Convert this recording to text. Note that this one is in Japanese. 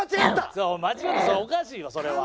そう間違えておかしいよそれは。